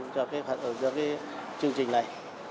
cho cái chương trình này